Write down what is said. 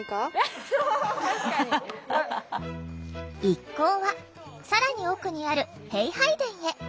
一行は更に奥にある幣拝殿へ。